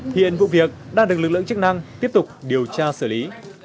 hiện vụ việc đang được lực lượng chức năng tiếp tục điều tra xử lý